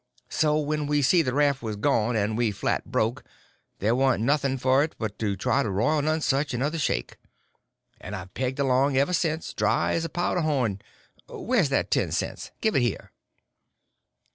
So when we see the raft was gone and we flat broke, there warn't anything for it but to try the Royal Nonesuch another shake. And I've pegged along ever since, dry as a powder horn. Where's that ten cents? Give it here."